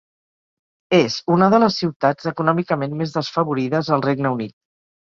És una de les ciutats econòmicament més desfavorides al Regne Unit.